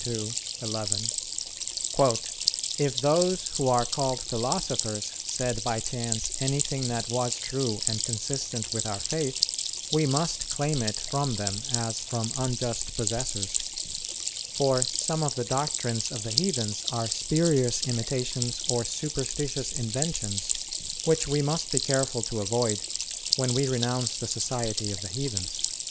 ii, 11): "If those who are called philosophers said by chance anything that was true and consistent with our faith, we must claim it from them as from unjust possessors. For some of the doctrines of the heathens are spurious imitations or superstitious inventions, which we must be careful to avoid when we renounce the society of the heathens."